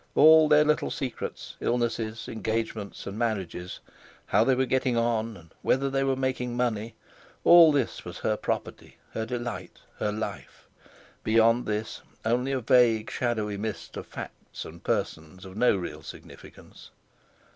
All their little secrets, illnesses, engagements, and marriages, how they were getting on, and whether they were making money—all this was her property, her delight, her life; beyond this only a vague, shadowy mist of facts and persons of no real significance.